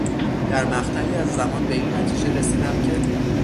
در مقطعی از زمان به این نتیجه رسیدم که